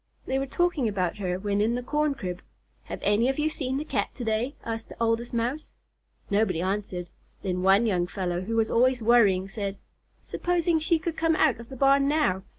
They were talking about her when in the corn crib. "Have any of you seen the Cat to day?" asked the Oldest Mouse. Nobody answered. Then one young fellow, who was always worrying, said: "Supposing she should come out of the barn now!